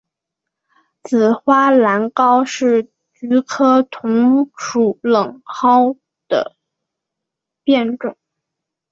紫花冷蒿是菊科蒿属冷蒿的变种。